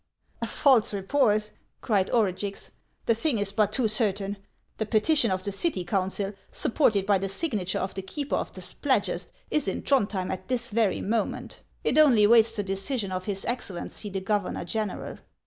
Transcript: "A false report!" cried Orugix ; "the thing is but too certain. The petition of the city council, supported by the signature of the keeper of the Spladgest, is in Thrond hjeui at this very moment. It only waits the decision of his excellency the governor general."